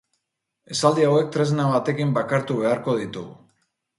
Esaldi hauek tresna batekin bakartu beharko ditugu.